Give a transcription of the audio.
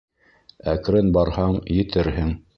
Әкрен барһаң, етерһең